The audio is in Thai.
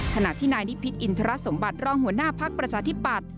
ขณะที่นายนิพิษอินทรสมบัติรองหัวหน้าภักดิ์ประชาธิปัตย